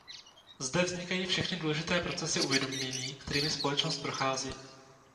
Zde vznikají všechny důležité procesy uvědomění, kterými společnost prochází.